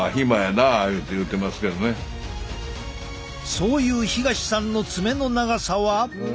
そういう東さんの爪の長さは。